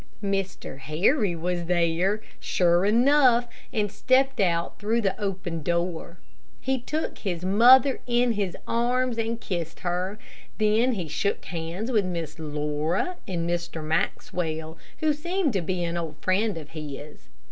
Mr. Harry was there, sure enough, and stepped out through the open door. He took his mother in his arms and kissed her, then he shook hands with Miss Laura and Mr. Maxwell, who seemed to be an old friend of his.